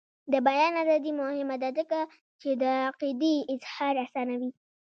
د بیان ازادي مهمه ده ځکه چې د عقیدې اظهار اسانوي.